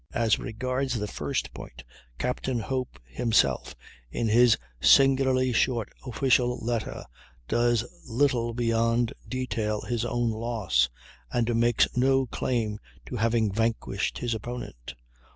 As regards the first point, Captain Hope himself, in his singularly short official letter, does little beyond detail his own loss, and makes no claim to having vanquished his opponent.